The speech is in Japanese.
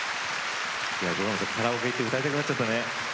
カラオケに行って歌いたくなっちゃったね。